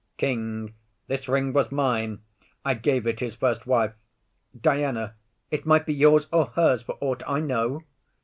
KING. This ring was mine, I gave it his first wife. DIANA. It might be yours or hers for ought I know.